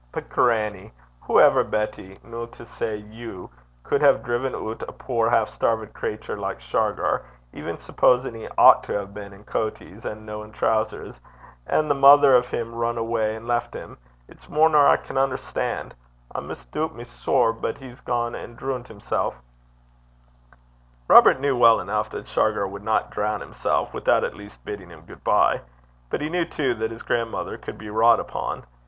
'But, granny! hoo ever Betty, no to say you, cud hae driven oot a puir half stervit cratur like Shargar, even supposin' he oucht to hae been in coaties, and no in troosers and the mither o' him run awa' an' left him it's mair nor I can unnerstan.' I misdoobt me sair but he's gane and droont himsel'.' Robert knew well enough that Shargar would not drown himself without at least bidding him good bye; but he knew too that his grandmother could be wrought upon.